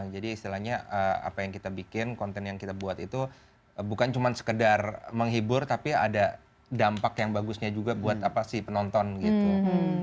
jadi istilahnya apa yang kita bikin konten yang kita buat itu bukan cuma sekedar menghibur tapi ada dampak yang bagusnya juga buat si penonton gitu